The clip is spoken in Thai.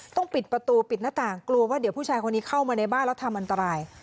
ต้องปิดประตูปิดหน้าต่างกลัวว่าเดี๋ยวผู้ชายคนนี้เข้ามาในบ้านแล้วทำอันตราย